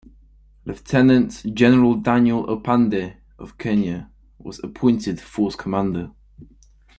Lieutenant General Daniel Opande of Kenya was appointed Force Commander.